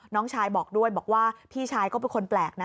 น้องชายบอกด้วยบอกว่าพี่ชายก็เป็นคนแปลกนะ